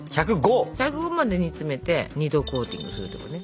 １０５まで煮詰めて２度コーティングするってことね。